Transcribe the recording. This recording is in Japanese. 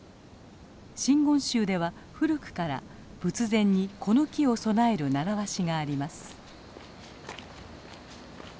真言宗では古くから仏前にこの木を供える習わしがあります。